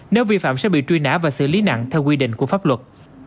nếu vi phạm sẽ bị truy nã và xử lý nặng theo quy định của pháp luật